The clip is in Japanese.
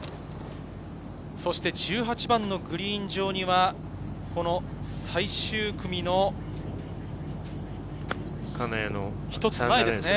そして１８番のグリーン上には、最終組の一つ前ですね。